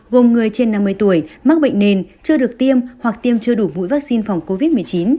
gồm người trên năm mươi tuổi mắc bệnh nền chưa được tiêm hoặc tiêm chưa đủ mũi vaccine phòng covid một mươi chín